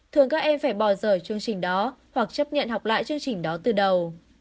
thường các em phải bỏ rời chương trình đó hoặc chấp nhận học lại chương trình đó từ đầu